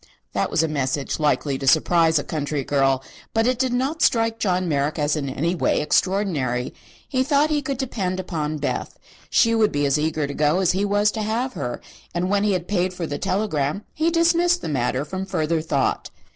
That was a message likely to surprise a country girl, but it did not strike John Merrick as in any way extraordinary. He thought he could depend upon Beth. She would be as eager to go as he was to have her, and when he had paid for the telegram he dismissed the matter from further thought.